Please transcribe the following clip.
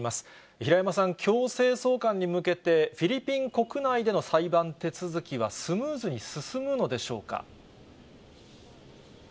平山さん、強制送還に向けて、フィリピン国内での裁判手続きはスムーズに進むのでしょうか。